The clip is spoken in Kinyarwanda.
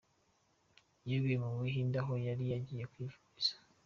Yaguye mu Buhinde aho yari yagiye kwivuriza.